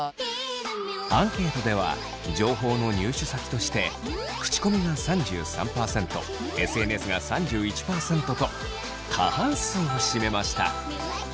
アンケートでは情報の入手先として口コミが３３％ＳＮＳが３１％と過半数を占めました。